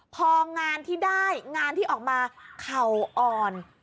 พองานที่ได้งานที่ออกมาเข่าอ่อน